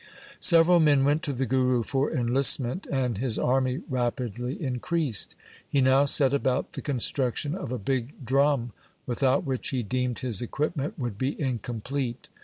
Several men went to the Guru for enlistment, and his army rapidly increased. He now set about the construction of a big drum, without which he deemed his equipment would be incomplete.